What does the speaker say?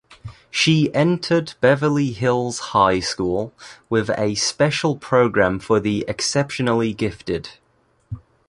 She entered Beverly Hills High School with a special program for the exceptionally gifted.